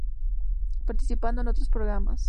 Participando en otros programas.